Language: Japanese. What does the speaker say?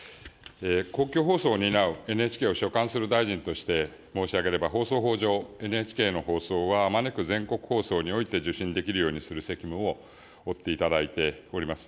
公共放送を担うＮＨＫを所管する大臣として申し上げれば、放送法上、ＮＨＫの放送は、あまねく全国放送において受信できるようにする責務を負っていただいております。